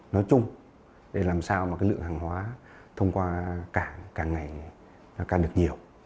nói chung để làm sao lượng hàng hóa thông qua cảng cảng này cao được nhiều